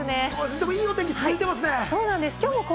でも、いいお天気が続いてますね。